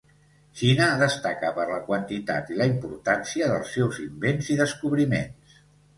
Xina destaca per la quantitat i la importància dels seus invents i descobriments.